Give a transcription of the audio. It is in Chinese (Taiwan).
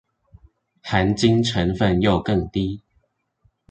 含金成分又更低